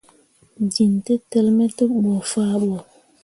Jin tǝtǝlli me tevbu fah ɓo.